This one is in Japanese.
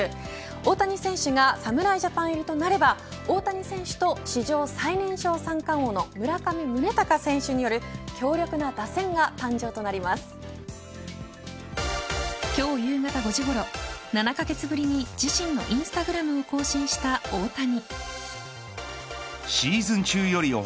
大谷選手が侍ジャパン入りとなれば大谷選手と史上最年少三冠王の村上宗隆選手による今日夕方５時ごろ７カ月ぶりに自身のＩｎｓｔａｇｒａｍを更新した大谷。